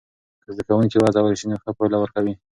که زده کوونکي وهڅول سی نو ښه پایله ورکوي.